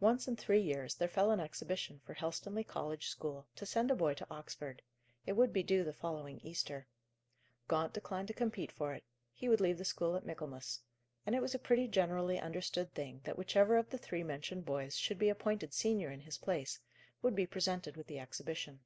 Once in three years there fell an exhibition for Helstonleigh College school, to send a boy to Oxford. It would be due the following Easter. Gaunt declined to compete for it; he would leave the school at Michaelmas; and it was a pretty generally understood thing that whichever of the three mentioned boys should be appointed senior in his place, would be presented with the exhibition.